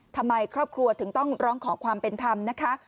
ทำไมครอบครัวถึงต้องร้องขอความเป็นธรรมนะคะ